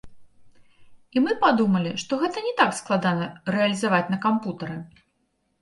І мы падумалі, што гэта не так складана рэалізаваць на кампутары!